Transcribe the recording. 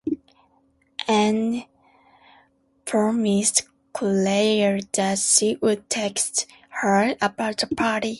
Anne promised Clare that she would text her about the party.